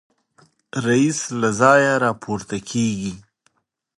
رییس له ځایه راپورته کېږي.